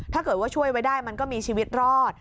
ถ้าเกิดว่าช่วยไว้ได้มันก็มีชีวิตรอด